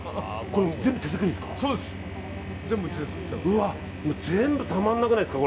これ、全部手作りですか？